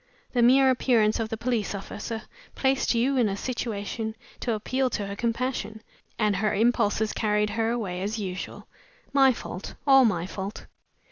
The mere appearance of the police officer placed you in a situation to appeal to her compassion, and her impulses carried her away as usual. My fault! All my fault!"